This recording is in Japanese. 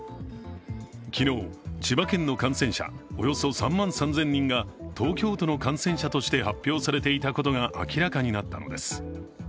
昨日、千葉県の感染者およそ３万３０００人が東京都の感染者として発表されていたことが明らかになったのです。